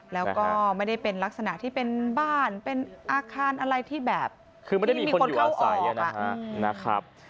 แล้วก็ไม่ได้เป็นลักษณะที่เป็นบ้านเป็นอาคารอะไรที่แบบคือไม่ได้มีคนเข้าออกนะครับ